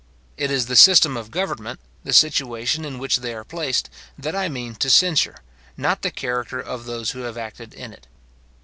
It is the system of government, the situation in which they are placed, that I mean to censure, not the character of those who have acted in it.